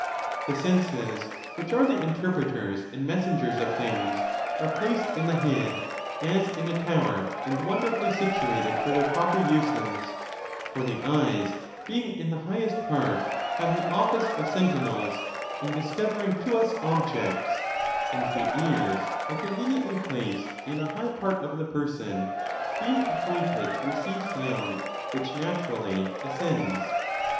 The senses, which are the interpreters and mes sengers of things, are placed in the head, as in a tower, and wonderfully situated for their proper uses ; for the eyes, being in the highest part, have the office of sentinels, in discovering to us objects ; and the ears are convenient ly placed in a high part of the person, being appointed to receive sound, which naturally ascends.